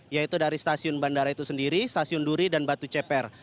yaitu dari stasiun bandara itu sendiri stasiun duri dan batu ceper